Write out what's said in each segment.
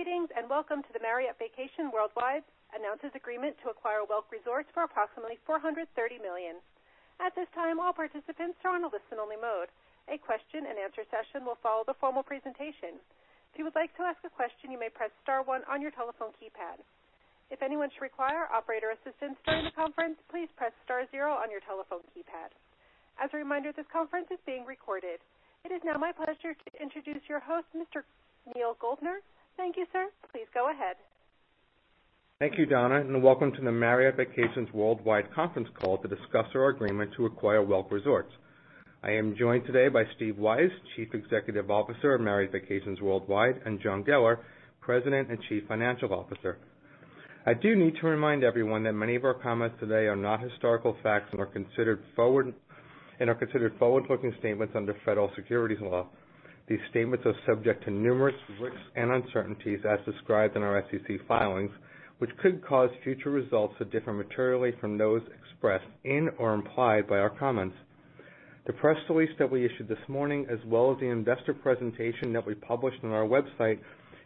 Greetings, and welcome to the Marriott Vacations Worldwide announces agreement to acquire Welk Resorts for approximately $430 million. At this time, all participants are on a listen-only mode. A question and answer session will follow the formal presentation. If you would like to ask a question, you may press star one on your telephone keypad. If anyone should require operator assistance during the conference, please press star zero on your telephone keypad. As a reminder, this conference is being recorded. It is now my pleasure to introduce your host, Mr. Neal Goldner. Thank you, sir. Please go ahead. Thank you, Donna, and welcome to the Marriott Vacations Worldwide conference call to discuss our agreement to acquire Welk Resorts. I am joined today by Steve Weisz, Chief Executive Officer of Marriott Vacations Worldwide, and John Geller, President and Chief Financial Officer. I do need to remind everyone that many of our comments today are not historical facts and are considered forward-looking statements under federal securities law. These statements are subject to numerous risks and uncertainties as described in our SEC filings, which could cause future results to differ materially from those expressed in or implied by our comments. The press release that we issued this morning, as well as the investor presentation that we published on our website,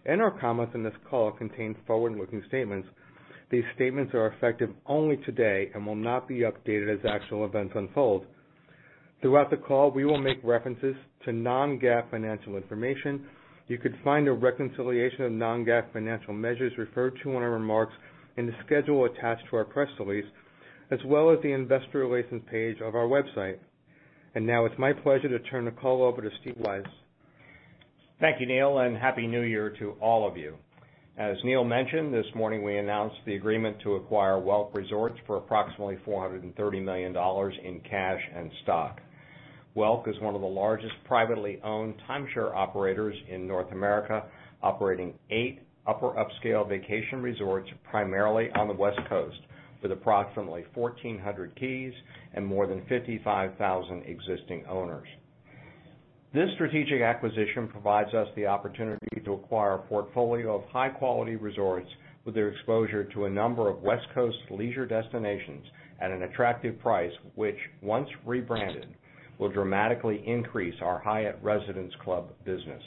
and our comments in this call contain forward-looking statements. These statements are effective only today and will not be updated as actual events unfold. Throughout the call, we will make references to non-GAAP financial information. You could find a reconciliation of non-GAAP financial measures referred to in our remarks in the schedule attached to our press release, as well as the investor relations page of our website. Now it's my pleasure to turn the call over to Steve Weisz. Thank you, Neal, and Happy New Year to all of you. As Neal mentioned, this morning we announced the agreement to acquire Welk Resorts for approximately $430 million in cash and stock. Welk is one of the largest privately owned timeshare operators in North America, operating eight upper upscale vacation resorts primarily on the West Coast, with approximately 1,400 keys and more than 55,000 existing owners. This strategic acquisition provides us the opportunity to acquire a portfolio of high-quality resorts with their exposure to a number of West Coast leisure destinations at an attractive price, which, once rebranded, will dramatically increase our Hyatt Residence Club business.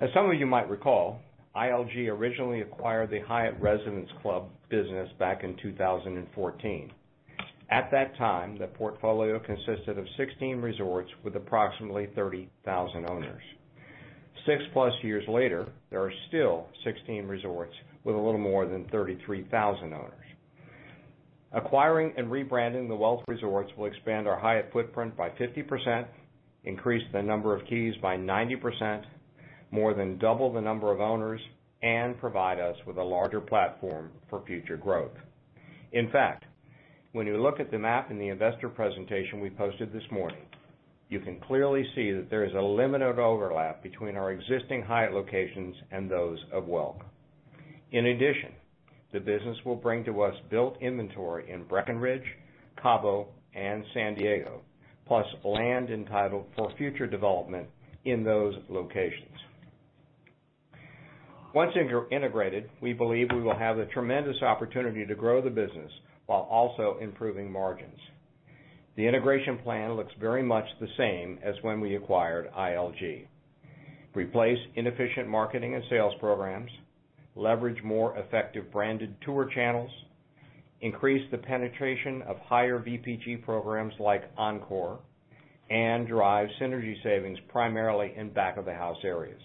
As some of you might recall, ILG originally acquired the Hyatt Residence Club business back in 2014. At that time, the portfolio consisted of 16 resorts with approximately 30,000 owners. 6+ years later, there are still 16 resorts with a little more than 33,000 owners. Acquiring and rebranding the Welk Resorts will expand our Hyatt footprint by 50%, increase the number of keys by 90%, more than double the number of owners, and provide us with a larger platform for future growth. In fact, when you look at the map in the investor presentation we posted this morning, you can clearly see that there is a limited overlap between our existing Hyatt locations and those of Welk. In addition, the business will bring to us built inventory in Breckenridge, Cabo, and San Diego, plus land entitled for future development in those locations. Once integrated, we believe we will have a tremendous opportunity to grow the business while also improving margins. The integration plan looks very much the same as when we acquired ILG. Replace inefficient marketing and sales programs, leverage more effective branded tour channels, increase the penetration of higher VPG programs like Encore, and drive synergy savings primarily in back-of-the-house areas.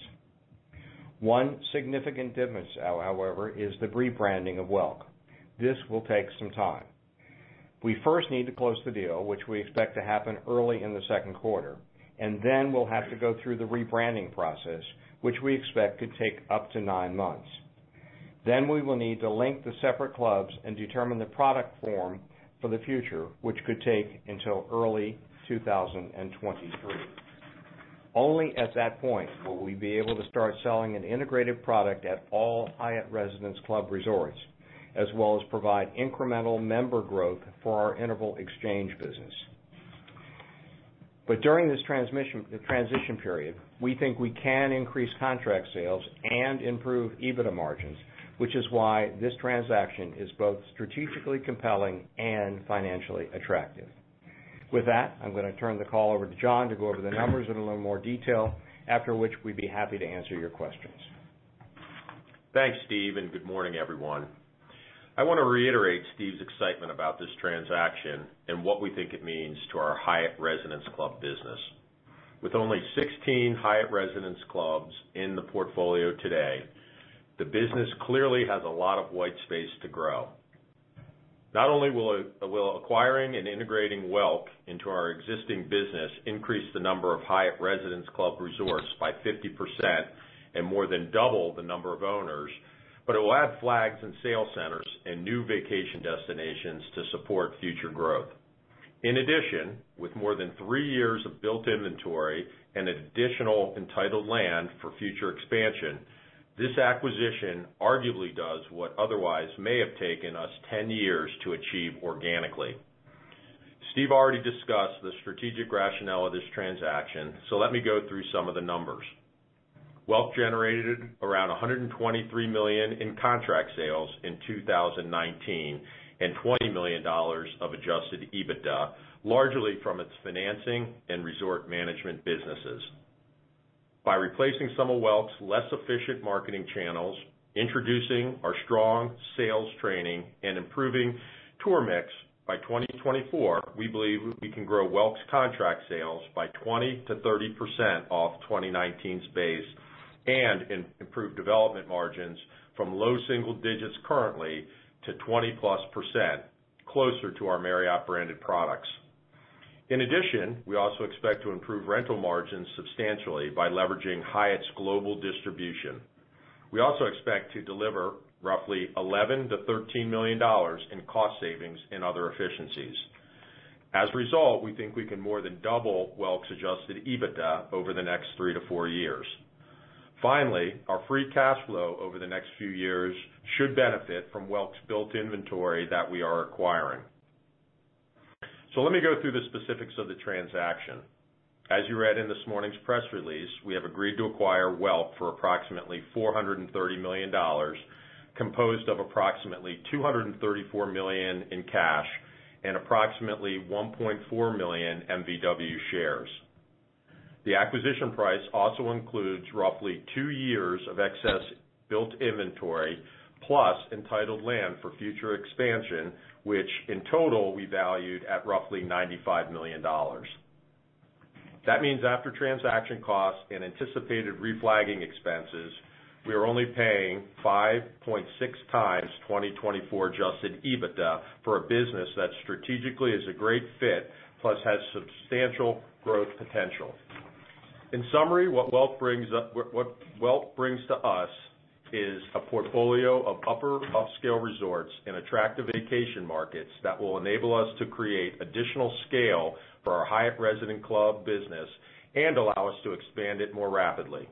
One significant difference, however, is the rebranding of Welk. This will take some time. We first need to close the deal, which we expect to happen early in the second quarter, and then we'll have to go through the rebranding process, which we expect could take up to nine months. We will need to link the separate clubs and determine the product form for the future, which could take until early 2023. Only at that point will we be able to start selling an integrated product at all Hyatt Residence Club resorts, as well as provide incremental member growth for our Interval exchange business. During this transition period, we think we can increase contract sales and improve EBITDA margins, which is why this transaction is both strategically compelling and financially attractive. With that, I'm going to turn the call over to John to go over the numbers in a little more detail, after which we'd be happy to answer your questions. Thanks, Steve, and good morning, everyone. I want to reiterate Steve's excitement about this transaction and what we think it means to our Hyatt Residence Club business. With only 16 Hyatt Residence Clubs in the portfolio today, the business clearly has a lot of white space to grow. Not only will acquiring and integrating Welk into our existing business increase the number of Hyatt Residence Club resorts by 50% and more than double the number of owners, but it will add flags and sales centers and new vacation destinations to support future growth. In addition, with more than three years of built inventory and additional entitled land for future expansion, this acquisition arguably does what otherwise may have taken us 10 years to achieve organically. Steve already discussed the strategic rationale of this transaction, let me go through some of the numbers. Welk generated around $123 million in contract sales in 2019 and $20 million of adjusted EBITDA, largely from its financing and resort management businesses. By replacing some of Welk's less efficient marketing channels, introducing our strong sales training, and improving tour mix, by 2024, we believe we can grow Welk's contract sales by 20%-30% off 2019's base and improve development margins from low single digits currently to 20%+, closer to our Marriott branded products. In addition, we also expect to improve rental margins substantially by leveraging Hyatt's global distribution. We also expect to deliver roughly $11 million-$13 million in cost savings and other efficiencies. As a result, we think we can more than double Welk's adjusted EBITDA over the next three to four years. Finally, our free cash flow over the next few years should benefit from Welk's built inventory that we are acquiring. Let me go through the specifics of the transaction. As you read in this morning's press release, we have agreed to acquire Welk for approximately $430 million, composed of approximately $234 million in cash and approximately 1.4 million MVW shares. The acquisition price also includes roughly two years of excess built inventory, plus entitled land for future expansion, which in total we valued at roughly $95 million. That means after transaction costs and anticipated reflagging expenses, we are only paying 5.6x 2024 adjusted EBITDA for a business that strategically is a great fit plus has substantial growth potential. In summary, what Welk brings to us is a portfolio of upper upscale resorts in attractive vacation markets that will enable us to create additional scale for our Hyatt Residence Club business and allow us to expand it more rapidly.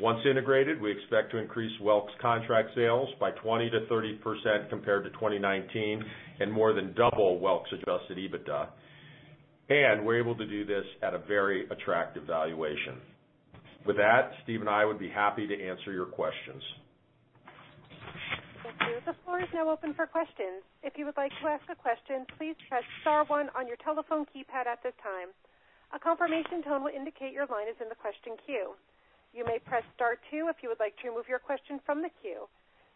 Once integrated, we expect to increase Welk's contract sales by 20%-30% compared to 2019, and more than double Welk's adjusted EBITDA. We're able to do this at a very attractive valuation. With that, Steve and I would be happy to answer your questions. Thank you. The floor is now open for questions. If you would like to ask a question, please press star one on your telephone keypad at this time. A confirmation tone will indicate your line is in the question queue. You may press star two if you would like to remove your question from the queue.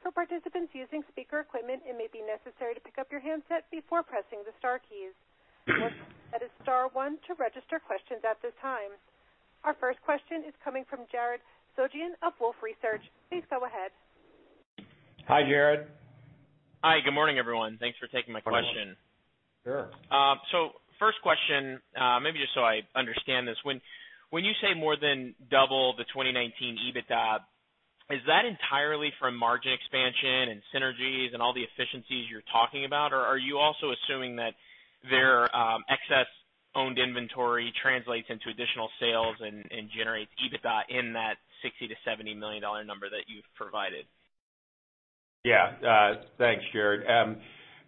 For participants using speaker equipment, it may be necessary to pick up your handset before pressing the star keys. That is star one to register questions at this time. Our first question is coming from Jared Shojaian of Wolfe Research. Please go ahead. Hi, Jared. Hi. Good morning, everyone. Thanks for taking my question. Sure. First question, maybe just so I understand this, when you say more than double the 2019 EBITDA, is that entirely from margin expansion and synergies and all the efficiencies you're talking about? Or are you also assuming that their excess owned inventory translates into additional sales and generates EBITDA in that $60 million-$70 million number that you've provided? Yeah. Thanks, Jared.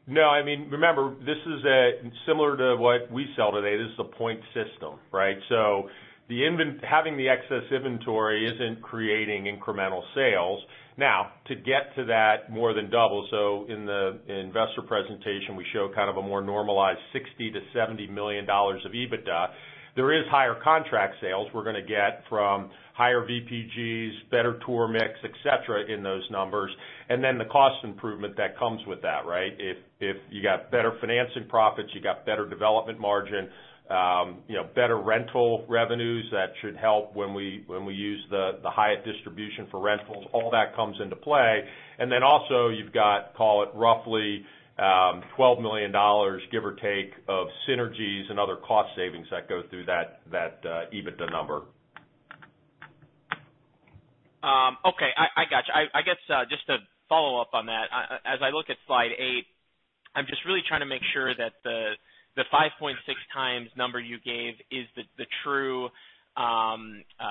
No, remember, this is similar to what we sell today. This is a point system, right? Having the excess inventory isn't creating incremental sales. Now, to get to that more than double. In the investor presentation, we show a more normalized $60 million-$70 million of EBITDA. There is higher contract sales we're going to get from higher VPGs, better tour mix, etc, in those numbers, and then the cost improvement that comes with that, right? If you got better financing profits, you got better development margin, better rental revenues, that should help when we use the Hyatt distribution for rentals. All that comes into play. Also you've got, call it roughly $12 million, give or take, of synergies and other cost savings that go through that EBITDA number. Okay. I got you. I guess just to follow up on that, as I look at Slide 8, I'm just really trying to make sure that the 5.6x number you gave is the true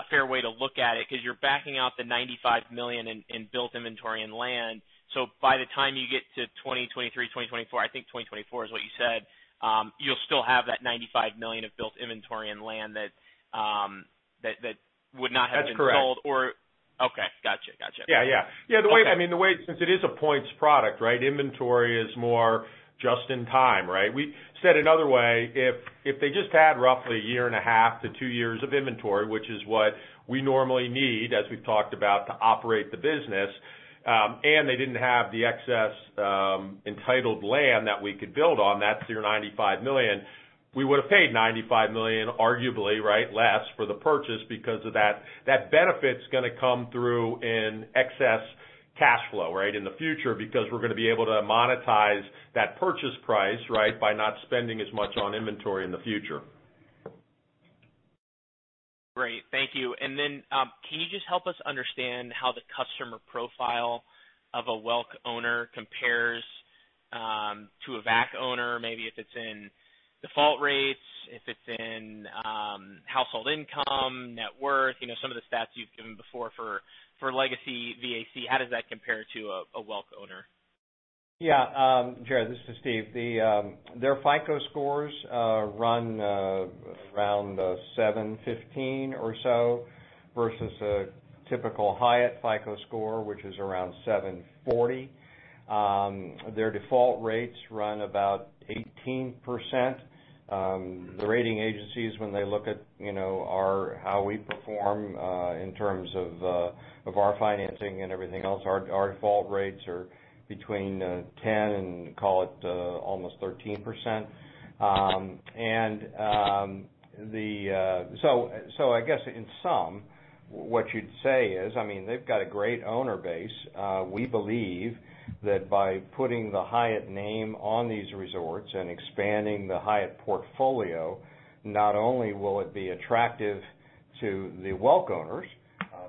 fair way to look at it, because you're backing out the $95 million in built inventory and land. By the time you get to 2023, 2024, I think 2024 is what you said, you'll still have that $95 million of built inventory and land that would not have been sold? That's correct. Okay. Got you. Yeah. Okay. Since it is a points product, right? Inventory is more just in time, right? Said another way, if they just had roughly a year and a half to two years of inventory, which is what we normally need, as we've talked about, to operate the business, and they didn't have the excess entitled land that we could build on, that's your $95 million, we would've paid $95 million arguably, right, less for the purchase because of that. That benefit's going to come through in excess cash flow, right, in the future because we're going to be able to monetize that purchase price, right, by not spending as much on inventory in the future. Great. Thank you. Then, can you just help us understand how the customer profile of a Welk owner compares to a VAC owner? Maybe if it's in default rates, if it's in household income, net worth, some of the stats you've given before for legacy VAC. How does that compare to a Welk owner? Yeah. Jared, this is Steve. Their FICO scores run around 715 or so. Typical Hyatt FICO score, which is around 740. Their default rates run about 18%. The rating agencies, when they look at how we perform in terms of our financing and everything else, our default rates are between 10% and call it almost 13%. I guess in sum, what you'd say is, they've got a great owner base. We believe that by putting the Hyatt name on these resorts and expanding the Hyatt portfolio, not only will it be attractive to the Welk owners,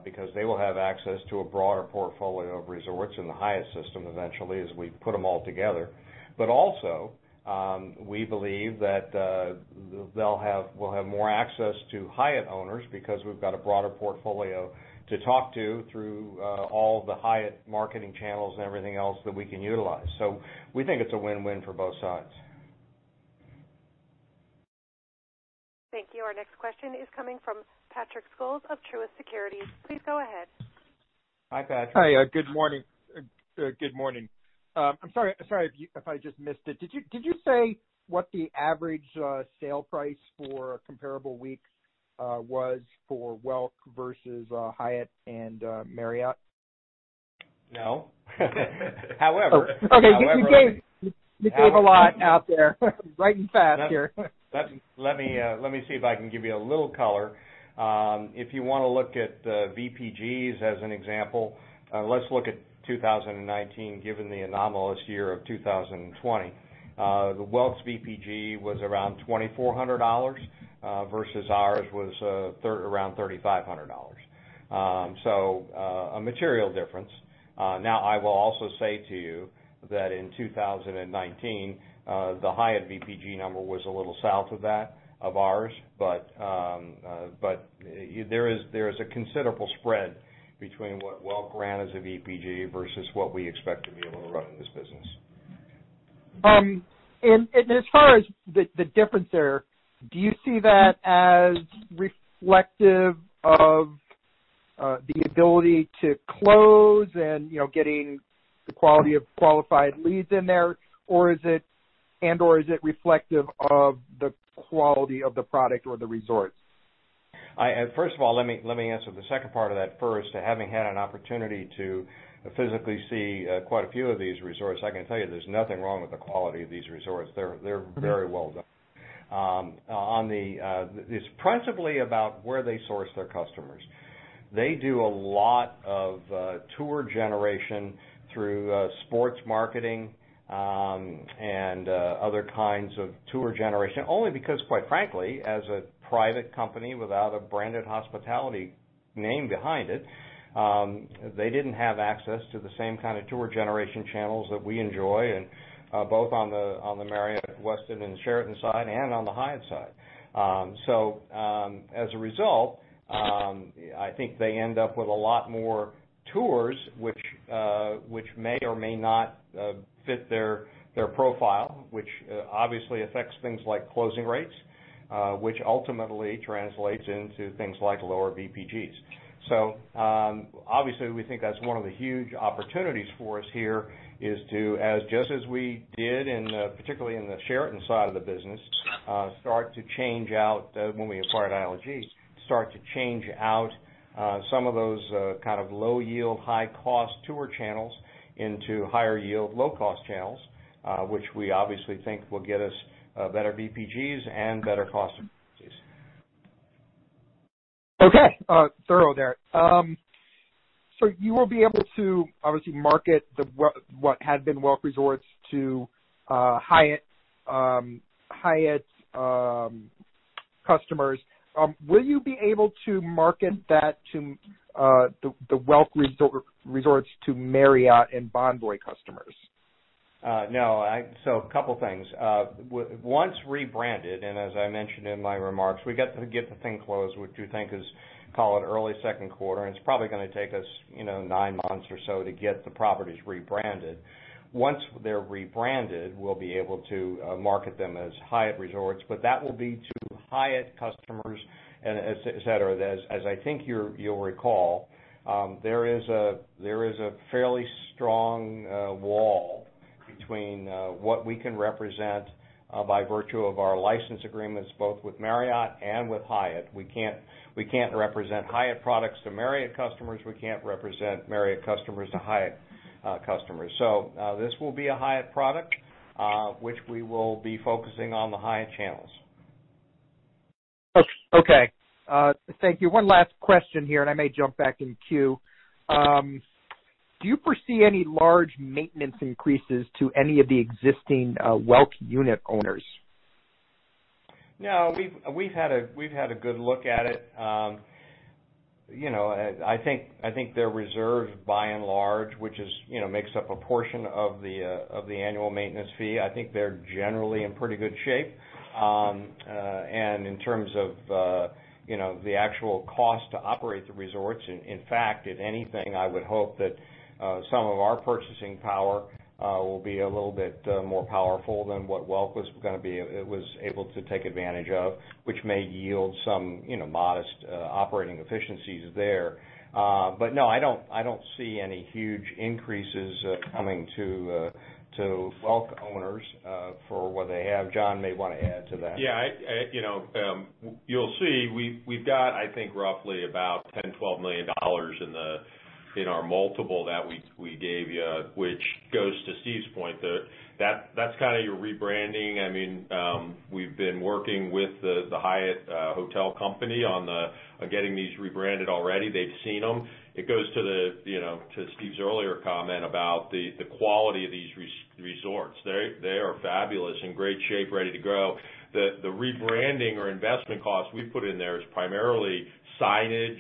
because they will have access to a broader portfolio of resorts in the Hyatt system eventually as we put them all together. Also, we believe that we'll have more access to Hyatt owners because we've got a broader portfolio to talk to through all the Hyatt marketing channels and everything else that we can utilize. We think it's a win-win for both sides. Thank you. Our next question is coming from Patrick Scholes of Truist Securities. Please go ahead. Hi, Patrick. Hi. Good morning. I'm sorry if I just missed it. Did you say what the average sale price for comparable weeks was for Welk versus Hyatt and Marriott? No. Okay. You gave a lot out there, right and fast here. Let me see if I can give you a little color. If you want to look at VPGs as an example, let's look at 2019, given the anomalous year of 2020. The Welk's VPG was around $2,400 versus ours was around $3,500. A material difference. Now, I will also say to you that in 2019, the Hyatt VPG number was a little south of that, of ours. There is a considerable spread between what Welk ran as a VPG versus what we expect to be able to run in this business. As far as the difference there, do you see that as reflective of the ability to close and getting the quality of qualified leads in there, and/or is it reflective of the quality of the product or the resorts? First of all, let me answer the second part of that first. Having had an opportunity to physically see quite a few of these resorts, I can tell you there's nothing wrong with the quality of these resorts. They're very well done. It's principally about where they source their customers. They do a lot of tour generation through sports marketing, and other kinds of tour generation, only because, quite frankly, as a private company without a branded hospitality name behind it, they didn't have access to the same kind of tour generation channels that we enjoy, and both on the Marriott, Westin, and Sheraton side and on the Hyatt side. As a result, I think they end up with a lot more tours which may or may not fit their profile, which obviously affects things like closing rates, which ultimately translates into things like lower VPGs. Obviously, we think that's one of the huge opportunities for us here is to, just as we did particularly in the Sheraton side of the business, when we acquired ILG, start to change out some of those low yield, high cost tour channels into higher yield, low cost channels, which we obviously think will get us better VPGs and better cost efficiencies. Okay. Thorough there. You will be able to obviously market what had been Welk Resorts to Hyatt customers. Will you be able to market the Welk Resorts to Marriott and Bonvoy customers? No. A couple things. Once rebranded, as I mentioned in my remarks, we get the thing closed, which we think is, call it early second quarter, and it's probably going to take us nine months or so to get the properties rebranded. Once they're rebranded, we'll be able to market them as Hyatt resorts, that will be to Hyatt customers, etc. As I think you'll recall, there is a fairly strong wall between what we can represent by virtue of our license agreements, both with Marriott and with Hyatt. We can't represent Hyatt products to Marriott customers. We can't represent Marriott customers to Hyatt customers. This will be a Hyatt product, which we will be focusing on the Hyatt channels. Okay. Thank you. One last question here, and I may jump back in queue. Do you foresee any large maintenance increases to any of the existing Welk unit owners? No, we've had a good look at it. I think their reserve by and large, which makes up a portion of the annual maintenance fee, I think they're generally in pretty good shape. In terms of the actual cost to operate the resorts, in fact, if anything, I would hope that some of our purchasing power will be a little bit more powerful than what Welk was able to take advantage of, which may yield some modest operating efficiencies there. But no, I don't see any huge increases coming to Welk owners for what they have. John may want to add to that. Yeah. You'll see, we've got, I think, roughly about $10 million-$12 million in our multiple that we gave you, which goes to Steve's point. That's kind of your rebranding. We've been working with the Hyatt on getting these rebranded already. They've seen them. It goes to Steve's earlier comment about the quality of these resorts. They are fabulous, in great shape, ready to grow. The rebranding or investment cost we put in there is primarily signage,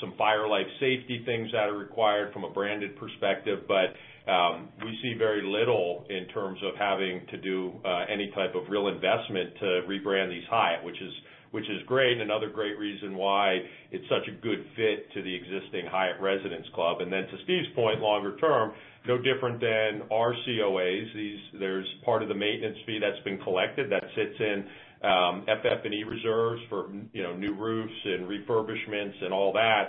some fire life safety things that are required from a branded perspective. We see very little in terms of having to do any type of real investment to rebrand these Hyatt, which is great. Another great reason why it's such a good fit to the existing Hyatt Residence Club. To Steve's point, longer-term, no different than our COAs. There's part of the maintenance fee that's been collected that sits in FF&E reserves for new roofs and refurbishments and all that.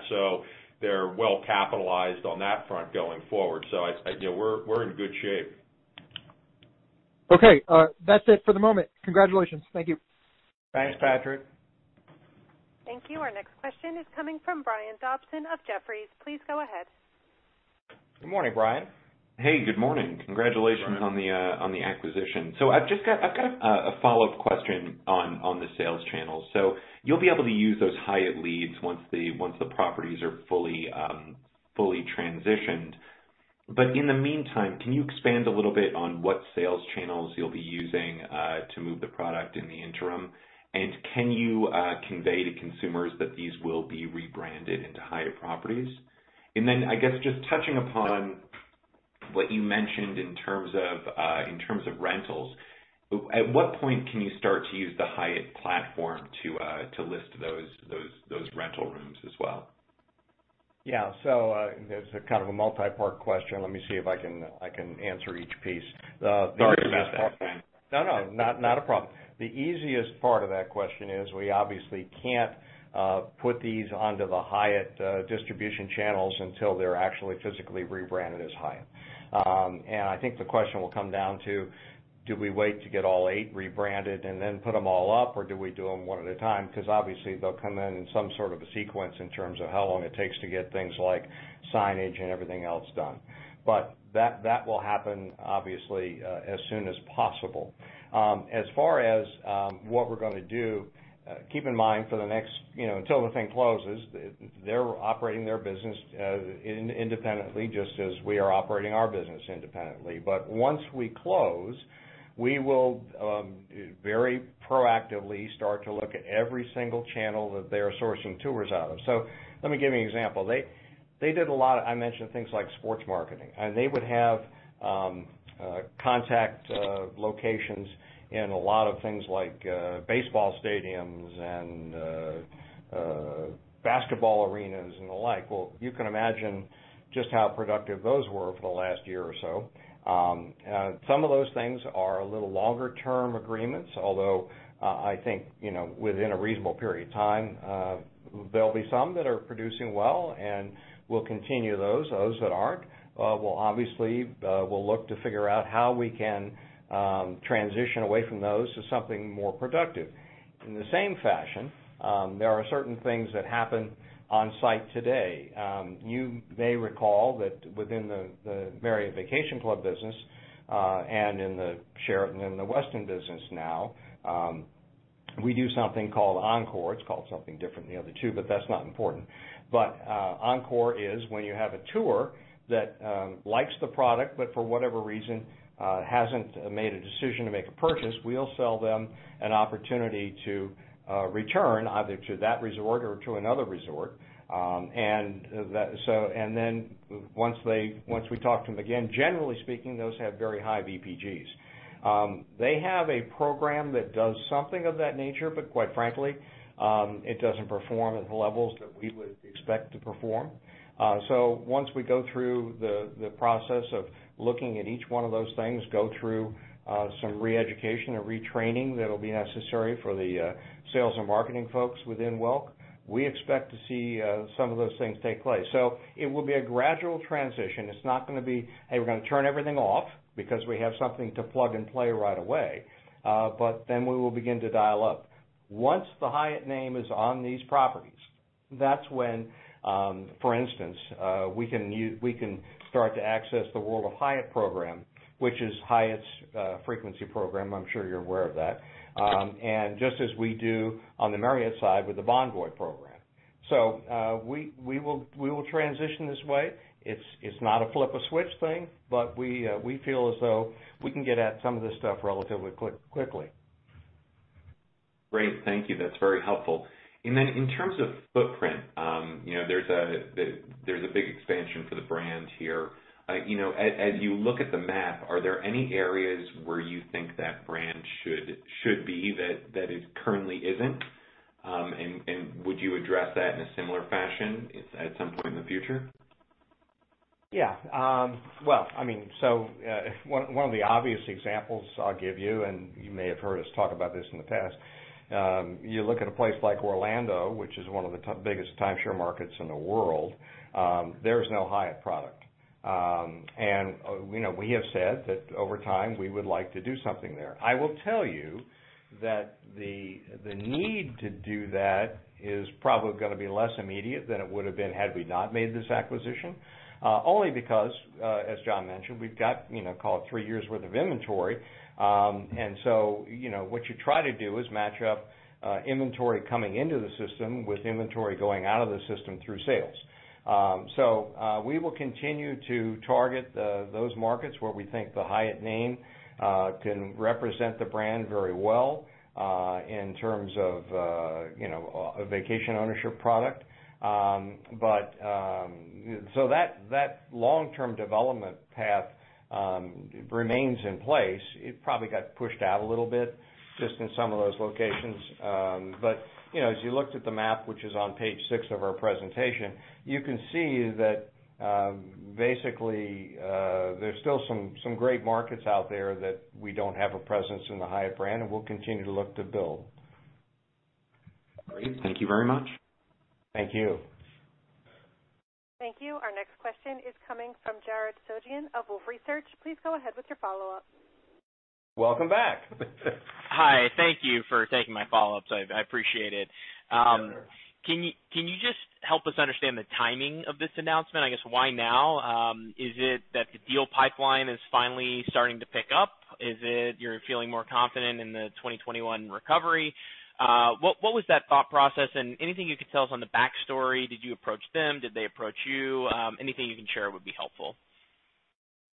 They're well capitalized on that front going forward. We're in good shape. Okay. That's it for the moment. Congratulations. Thank you. Thanks, Patrick. Thank you. Our next question is coming from Brian Dobson of Jefferies. Please go ahead. Good morning, Brian. Hey, good morning. Congratulations on the acquisition. I've just got a follow-up question on the sales channel. You'll be able to use those Hyatt leads once the properties are fully transitioned. In the meantime, can you expand a little bit on what sales channels you'll be using to move the product in the interim? Can you convey to consumers that these will be rebranded into Hyatt properties? Then, I guess, just touching upon what you mentioned in terms of rentals, at what point can you start to use the Hyatt platform to list those rental rooms as well? Yeah. There's a kind of a multi-part question. Let me see if I can answer each piece. Sorry about that. No, not a problem. The easiest part of that question is we obviously can't put these onto the Hyatt distribution channels until they're actually physically rebranded as Hyatt. I think the question will come down to, do we wait to get all eight rebranded and then put them all up, or do we do them one at a time? Obviously they'll come in in some sort of a sequence in terms of how long it takes to get things like signage and everything else done. That will happen obviously as soon as possible. As far as what we're going to do, keep in mind for the next, until the thing closes, they're operating their business independently, just as we are operating our business independently. Once we close, we will very proactively start to look at every single channel that they are sourcing tours out of. Let me give you an example. They did a lot of, I mentioned things like sports marketing. They would have contact locations in a lot of things like baseball stadiums and basketball arenas and the like. You can imagine just how productive those were for the last year or so. Some of those things are a little longer-term agreements, although I think, within a reasonable period of time there'll be some that are producing well, and we'll continue those. Those that aren't, we'll obviously look to figure out how we can transition away from those to something more productive. In the same fashion, there are certain things that happen on site today. You may recall that within the Marriott Vacation Club business and in the Sheraton and the Westin business now, we do something called Encore. It's called something different in the other two, but that's not important. Encore is when you have a tour that likes the product but for whatever reason hasn't made a decision to make a purchase, we'll sell them an opportunity to return either to that resort or to another resort. Once we talk to them again, generally speaking, those have very high VPGs. They have a program that does something of that nature, but quite frankly, it doesn't perform at the levels that we would expect to perform. Once we go through the process of looking at each one of those things, go through some reeducation and retraining that'll be necessary for the sales and marketing folks within Welk, we expect to see some of those things take place. It will be a gradual transition. It's not going to be, "Hey, we're going to turn everything off," because we have something to plug and play right away. We will begin to dial up. Once the Hyatt name is on these properties, that's when, for instance, we can start to access the World of Hyatt program, which is Hyatt's frequency program, I'm sure you're aware of that. Just as we do on the Marriott side with the Bonvoy program. We will transition this way. It's not a flip-a-switch thing, but we feel as though we can get at some of this stuff relatively quickly. Great. Thank you. That's very helpful. Then in terms of footprint, there's a big expansion for the brand here. As you look at the map, are there any areas where you think that brand should be that it currently isn't? Would you address that in a similar fashion at some point in the future? Yeah. One of the obvious examples I'll give you, and you may have heard us talk about this in the past, you look at a place like Orlando, which is one of the biggest timeshare markets in the world. There's no Hyatt product. We have said that over time, we would like to do something there. I will tell you that the need to do that is probably going to be less immediate than it would have been had we not made this acquisition. Only because, as John mentioned, we've got call it three years' worth of inventory. What you try to do is match up inventory coming into the system with inventory going out of the system through sales. We will continue to target those markets where we think the Hyatt name can represent the brand very well, in terms of a vacation ownership product. That long-term development path remains in place. It probably got pushed out a little bit just in some of those locations. As you looked at the map, which is on page 6 of our presentation, you can see that basically, there's still some great markets out there that we don't have a presence in the Hyatt brand, and we'll continue to look to build. Great. Thank you very much. Thank you. Thank you. Our next question is coming from Jared Shojaian of Wolfe Research. Please go ahead with your follow-up. Welcome back. Hi. Thank you for taking my follow-ups. I appreciate it. Yeah. Can you just help us understand the timing of this announcement? I guess, why now? Is it that the deal pipeline is finally starting to pick up? Is it you're feeling more confident in the 2021 recovery? What was that thought process, and anything you could tell us on the backstory, did you approach them? Did they approach you? Anything you can share would be helpful.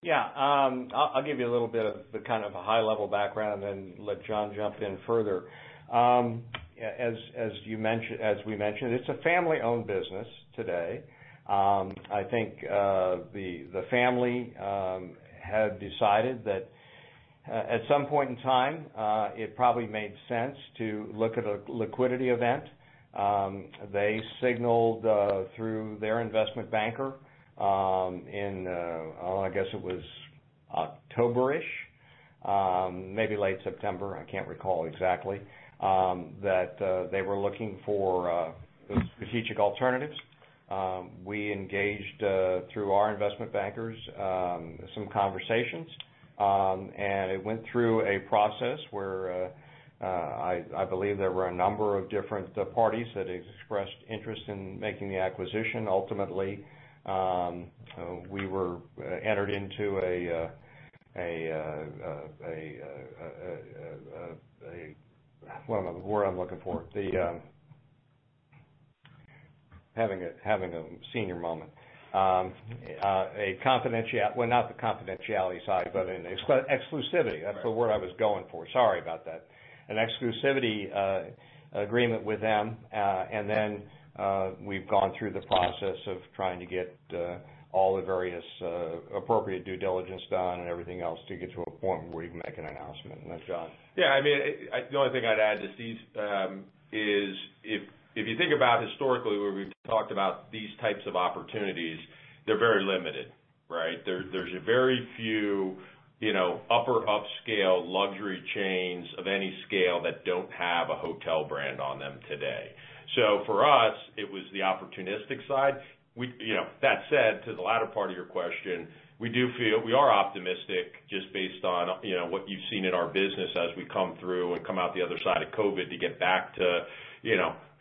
Yeah. I'll give you a little bit of the high-level background and then let John jump in further. As we mentioned, it's a family-owned business today. I think the family had decided that at some point in time, it probably made sense to look at a liquidity event. They signaled through their investment banker in, I guess it was October-ish, maybe late September, I can't recall exactly, that they were looking for those strategic alternatives. We engaged through our investment bankers, some conversations. It went through a process where I believe there were a number of different parties that expressed interest in making the acquisition ultimately. We were entered into a What is the word I'm looking for? Having a senior moment. Well, not the confidentiality side, but an exclusivity. That's the word I was going for. Sorry about that. An exclusivity agreement with them. We've gone through the process of trying to get all the various appropriate due diligence done and everything else to get to a point where we can make an announcement. John. The only thing I'd add to Steve's is if you think about historically where we've talked about these types of opportunities, they're very limited, right? There's a very few upper upscale luxury chains of any scale that don't have a hotel brand on them today. For us, it was the opportunistic side. That said, to the latter part of your question, we are optimistic just based on what you've seen in our business as we come through and come out the other side of COVID to get back to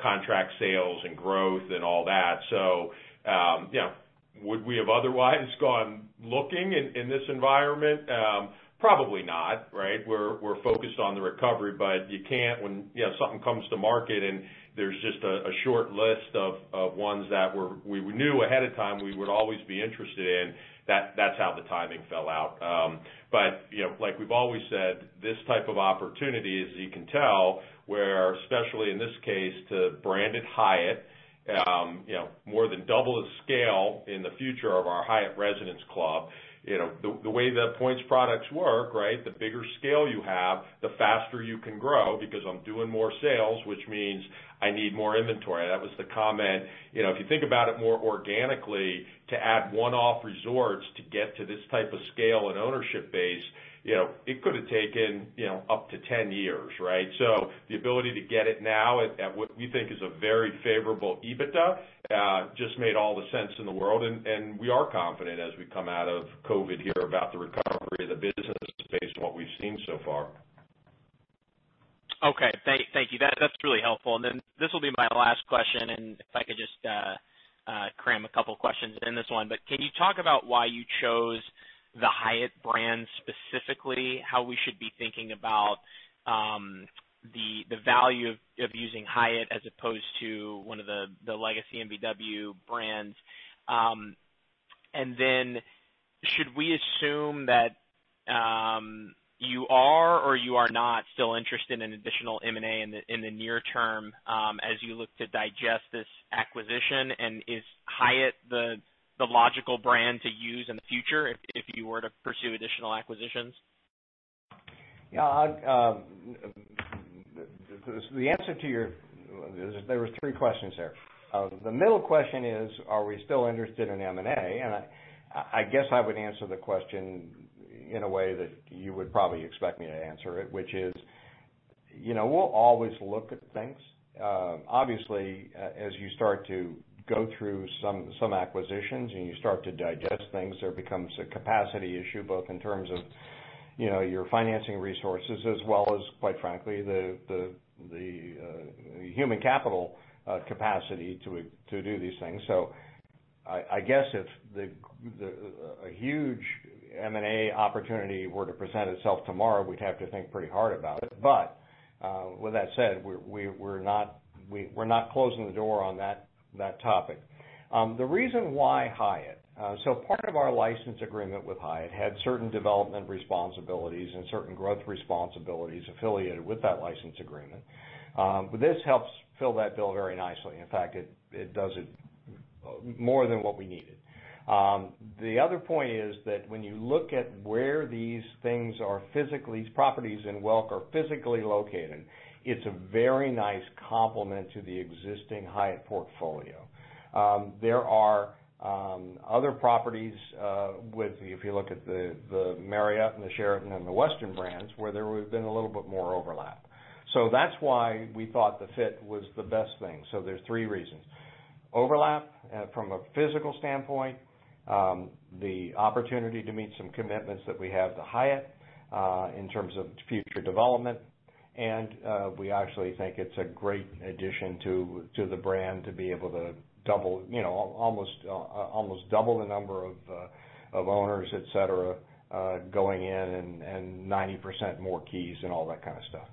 contract sales and growth and all that. Would we have otherwise gone looking in this environment? Probably not. Right? We're focused on the recovery, when something comes to market and there's just a short list of ones that we knew ahead of time we would always be interested in, that's how the timing fell out. Like we've always said, this type of opportunity, as you can tell, where especially in this case to brand it Hyatt, more than double the scale in the future of our Hyatt Residence Club. The way the points products work, right? The bigger scale you have, the faster you can grow because I'm doing more sales, which means I need more inventory. That was the comment. If you think about it more organically, to add one-off resorts to get to this type of scale and ownership base, it could have taken up to 10 years, right? The ability to get it now at what we think is a very favorable EBITDA, just made all the sense in the world. We are confident as we come out of COVID here about the recovery of the business based on what we've seen so far. Okay. Thank you. That's really helpful. This will be my last question, and if I could just cram a couple questions in this one, but can you talk about why you chose the Hyatt brand specifically? How we should be thinking about the value of using Hyatt as opposed to one of the legacy MVW brands? Should we assume that you are or you are not still interested in additional M&A in the near-term as you look to digest this acquisition? Is Hyatt the logical brand to use in the future if you were to pursue additional acquisitions? Yeah. There were three questions there. The middle question is, are we still interested in M&A? I guess I would answer the question in a way that you would probably expect me to answer it, which is, we'll always look at things. Obviously, as you start to go through some acquisitions, and you start to digest things, there becomes a capacity issue, both in terms of your financing resources as well as, quite frankly, the human capital capacity to do these things. I guess if a huge M&A opportunity were to present itself tomorrow, we'd have to think pretty hard about it. With that said, we're not closing the door on that topic. The reason why Hyatt. Part of our license agreement with Hyatt had certain development responsibilities and certain growth responsibilities affiliated with that license agreement. This helps fill that bill very nicely. In fact, it does it more than what we needed. The other point is that when you look at where these properties in Welk are physically located, it's a very nice complement to the existing Hyatt portfolio. There are other properties, if you look at the Marriott and the Sheraton and the Westin brands, where there would've been a little bit more overlap. That's why we thought the fit was the best thing. There's three reasons. Overlap from a physical standpoint, the opportunity to meet some commitments that we have to Hyatt in terms of future development, and we actually think it's a great addition to the brand to be able to almost double the number of owners, etc, going in and 90% more keys and all that kind of stuff.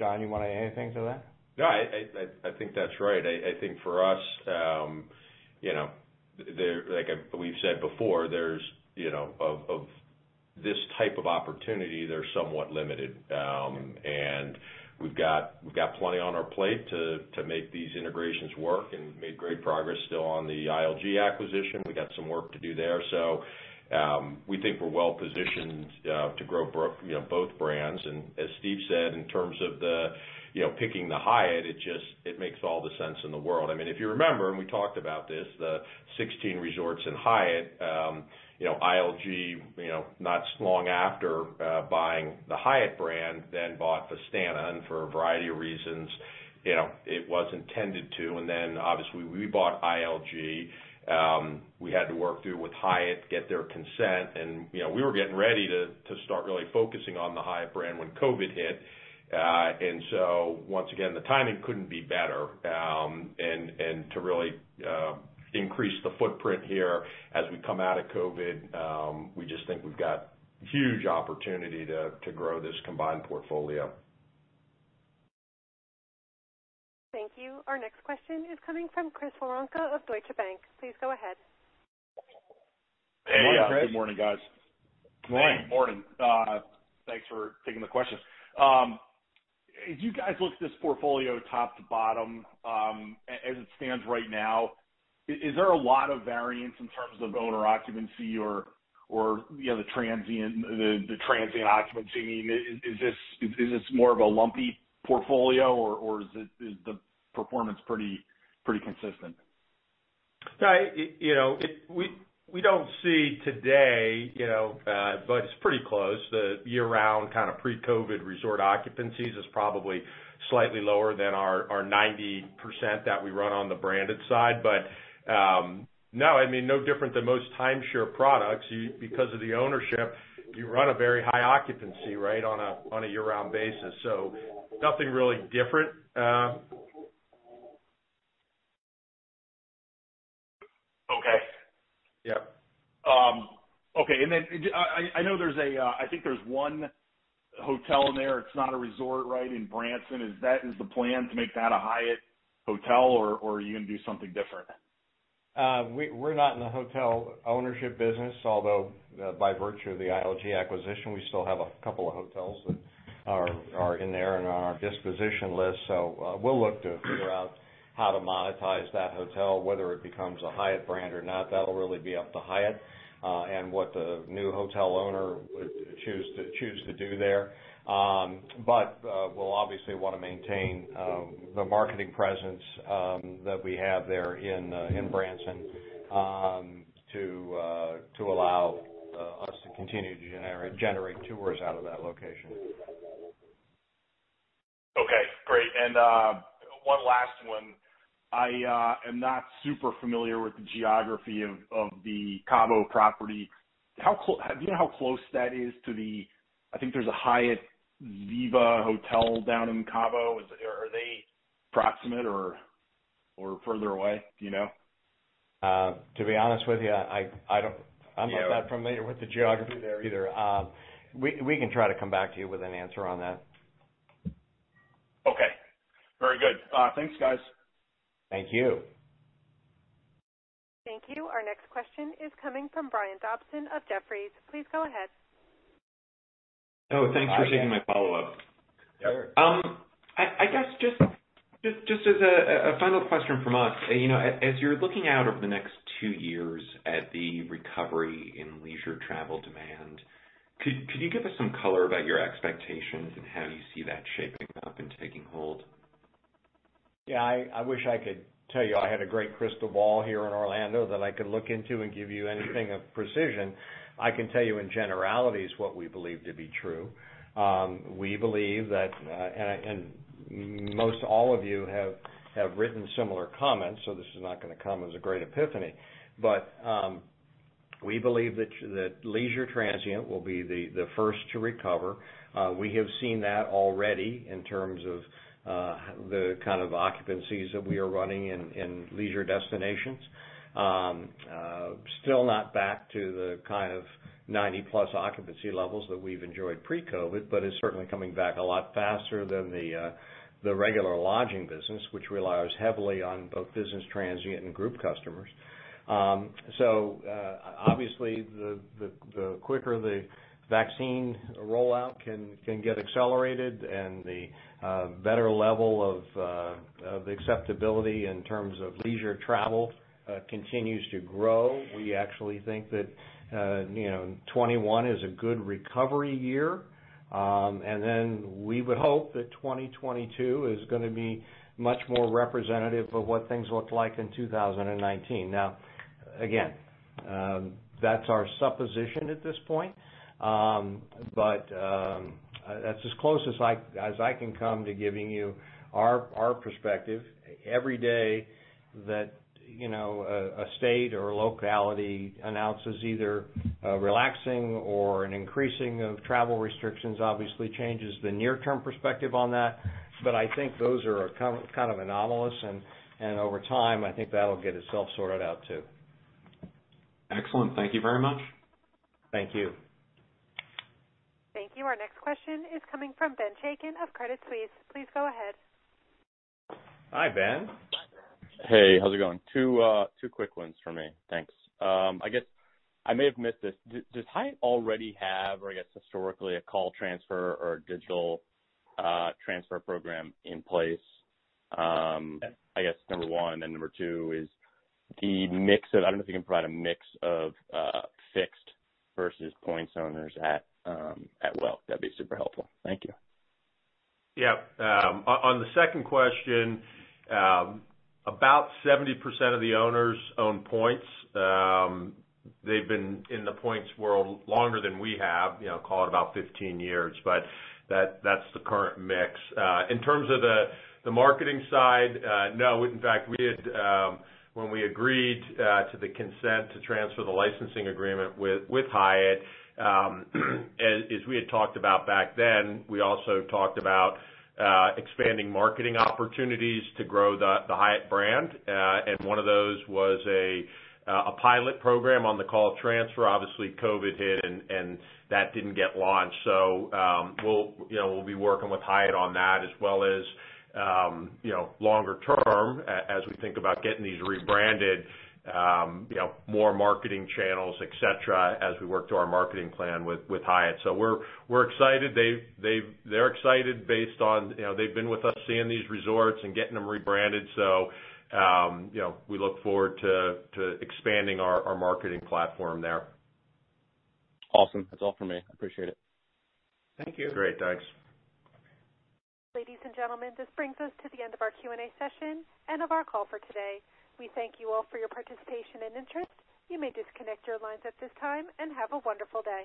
John, you want to add anything to that? No, I think that's right. I think for us, like we've said before, this type of opportunity, they're somewhat limited. We've got plenty on our plate to make these integrations work and we've made great progress still on the ILG acquisition. We've got some work to do there. We think we're well positioned to grow both brands. As Steve said, in terms of picking the Hyatt, it makes all the sense in the world. If you remember, and we talked about this, the 16 resorts in Hyatt, ILG, not long after buying the Hyatt brand, then bought Vistana for a variety of reasons. It was intended to, and then obviously we bought ILG. We had to work through with Hyatt, get their consent, and we were getting ready to start really focusing on the Hyatt brand when COVID hit. Once again, the timing couldn't be better. To really increase the footprint here as we come out of COVID, we just think we've got huge opportunity to grow this combined portfolio. Thank you. Our next question is coming from Chris Woronka of Deutsche Bank. Please go ahead. Good morning, Chris. Hey, good morning, guys. Good morning. Morning. Thanks for taking the questions. As you guys look at this portfolio top to bottom, as it stands right now, is there a lot of variance in terms of owner occupancy or the transient occupancy? Is this more of a lumpy portfolio or is the performance pretty consistent? We don't see today, but it's pretty close, the year-round kind of pre-COVID resort occupancies is probably slightly lower than our 90% that we run on the branded side. No, no different than most timeshare products. Because of the ownership, you run a very high occupancy on a year-round basis. Nothing really different. Okay. Yeah. Okay. I think there's one hotel in there. It's not a resort, in Branson. Is the plan to make that a Hyatt hotel or are you going to do something different? We're not in the hotel ownership business, although by virtue of the ILG acquisition, we still have a couple of hotels that are in there and are on our disposition list. We'll look to figure out how to monetize that hotel. Whether it becomes a Hyatt brand or not, that'll really be up to Hyatt and what the new hotel owner would choose to do there. We'll obviously want to maintain the marketing presence that we have there in Branson to allow us to continue to generate tours out of that location. Okay, great. One last one. I am not super familiar with the geography of the Cabo property. Do you know how close that is to the I think there's a Hyatt Ziva hotel down in Cabo? Are they approximate or further away? Do you know? To be honest with you, I'm not that familiar with the geography there either. We can try to come back to you with an answer on that. Okay. Very good. Thanks, guys. Thank you. Thank you. Our next question is coming from Brian Dobson of Jefferies. Please go ahead. Oh, thanks for taking my follow-up. Sure. I guess just as a final question from us, as you're looking out over the next two years at the recovery in leisure travel demand, could you give us some color about your expectations and how you see that shaping up and taking hold? Yeah, I wish I could tell you I had a great crystal ball here in Orlando that I could look into and give you anything of precision. I can tell you in generalities what we believe to be true. We believe that, and most all of you have written similar comments, so this is not going to come as a great epiphany, but we believe that leisure transient will be the first to recover. We have seen that already in terms of the kind of occupancies that we are running in leisure destinations. Still not back to the kind of 90+ occupancy levels that we've enjoyed pre-COVID, but it's certainly coming back a lot faster than the regular lodging business, which relies heavily on both business transient and group customers. Obviously, the quicker the vaccine rollout can get accelerated and the better level of acceptability in terms of leisure travel continues to grow, we actually think that 2021 is a good recovery year. Then we would hope that 2022 is going to be much more representative of what things looked like in 2019. Again, that's our supposition at this point. That's as close as I can come to giving you our perspective. Every day that a state or a locality announces either a relaxing or an increasing of travel restrictions obviously changes the near-term perspective on that. I think those are kind of anomalous, and over time, I think that'll get itself sorted out, too. Excellent. Thank you very much. Thank you. Thank you. Our next question is coming from Ben Chaiken of Credit Suisse. Please go ahead. Hi, Ben. Hey, how's it going? Two quick ones from me. Thanks. I guess I may have missed this. Does Hyatt already have, or I guess historically, a call transfer or digital transfer program in place? I guess number one, and number two is the mix of-- I don't know if you can provide a mix of fixed versus points owners at Welk. That'd be super helpful. Thank you. Yeah. On the second question, about 70% of the owners own points. They've been in the points world longer than we have, call it about 15 years, but that's the current mix. In terms of the marketing side, no. In fact, when we agreed to the consent to transfer the licensing agreement with Hyatt, as we had talked about back then, we also talked about expanding marketing opportunities to grow the Hyatt brand. One of those was a pilot program on the call transfer. Obviously, COVID hit, that didn't get launched. We'll be working with Hyatt on that as well as longer-term, as we think about getting these rebranded, more marketing channels, etc, as we work through our marketing plan with Hyatt. We're excited. They're excited based on they've been with us seeing these resorts and getting them rebranded. We look forward to expanding our marketing platform there. Awesome. That's all for me. Appreciate it. Thank you. Great. Thanks. Ladies and gentlemen, this brings us to the end of our Q&A session and of our call for today. We thank you all for your participation and interest. You may disconnect your lines at this time, and have a wonderful day.